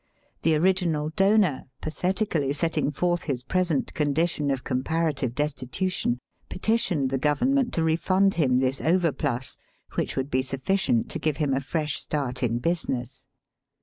The original donor, pathetically setting forth his present condition of comparative destitution, petitioned the government to refund him this overplus, which would be sufficient to give him a fresh start in business.